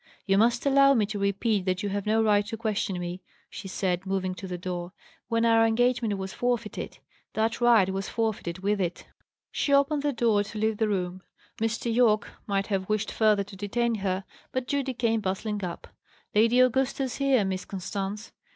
"You must allow me to repeat that you have no right to question me," she said, moving to the door. "When our engagement was forfeited, that right was forfeited with it." She opened the door to leave the room. Mr. Yorke might have wished further to detain her, but Judy came bustling up. "Lady Augusta's here, Miss Constance."